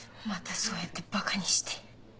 またそうやってばかにして。